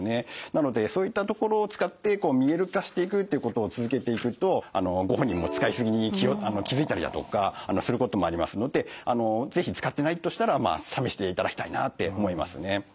なのでそういったところを使って見える化していくっていうことを続けていくとご本人も使い過ぎに気付いたりだとかすることもありますので是非使ってないとしたら試していただきたいなって思いますね。